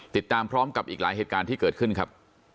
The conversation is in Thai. ติดตามพร้อมกับอีกหลายเหตุการณ์ที่เกิดขึ้นครับ